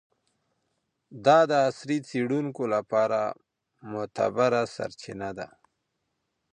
دا د عصري څیړونکو لپاره معتبره سرچینه ده.